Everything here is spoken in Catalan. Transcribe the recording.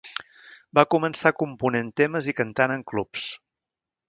Va començar component temes i cantant en clubs.